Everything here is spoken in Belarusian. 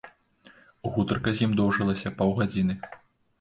Гутарка з ім доўжылася паўгадзіны.